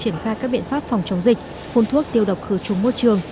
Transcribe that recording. triển khai các biện pháp phòng chống dịch phun thuốc tiêu độc khứ trung môi trường